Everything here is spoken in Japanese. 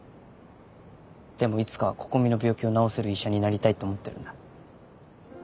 でもいつかは心美の病気を治せる医者になりたいと思ってるんだ。